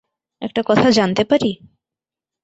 একটা কথা জানতে পারি?